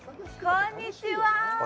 こんにちは。